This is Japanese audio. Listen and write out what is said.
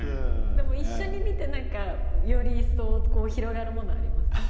でも一緒に見て何かより一層広がるものありますね。